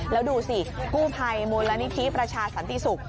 แล้วดูสิกู้ภัยมูลนิธิประชาสันติศุกร์